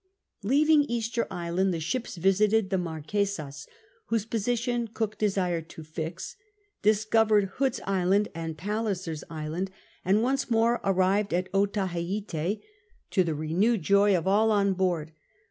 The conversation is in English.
Leaving Easter Island the ships visite<l the Mar quesas, whose position Cook desired to fix ; discovered Hood's Island and I'alliser's Island, and once more VIII irsfv ISLANDS 105 arrived at Otaheite, to the renewed joy of all on board.